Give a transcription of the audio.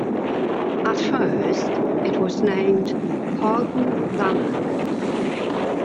At first, it was named "Carleton-Lanark".